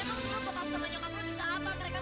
lo tau apaan sih